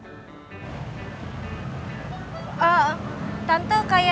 tante kayaknya kiki tidak mau ikut tante sama rendy ya